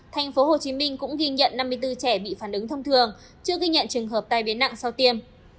tp hcm cũng ghi nhận năm mươi bốn trẻ bị phản ứng thông thường chưa ghi nhận trường hợp tai biến nặng sau tiêm